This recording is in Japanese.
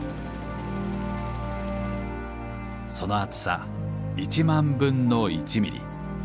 その厚さ１万分の１ミリ。